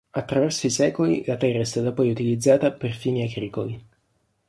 Attraverso i secoli, la terra è stata poi utilizzata per fini agricoli.